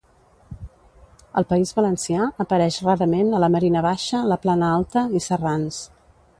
Al País Valencià apareix rarament a la Marina Baixa, la Plana Alta i Serrans.